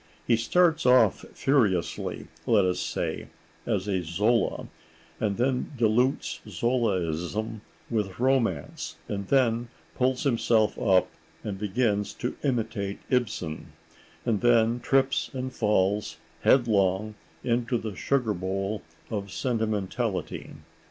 He starts off furiously, let us say, as a Zola, and then dilutes Zolaism with romance, and then pulls himself up and begins to imitate Ibsen, and then trips and falls headlong into the sugar bowl of sentimentality.